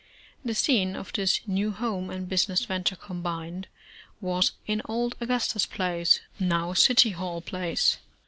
The scene of this new home and business venture combined, was in old Augustus Place, now City Hall Place.